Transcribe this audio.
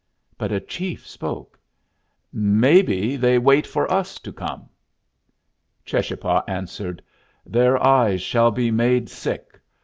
But a chief spoke. "Maybe they wait for us to come." Cheschapah answered. "Their eyes shall be made sick.